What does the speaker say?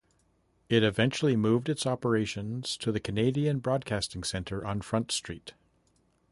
It eventually moved its operations to the Canadian Broadcasting Centre on Front Street.